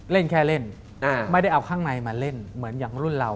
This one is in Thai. เล่นแค่เล่นไม่ได้เอาข้างในมาเล่นเหมือนอย่างรุ่นเรา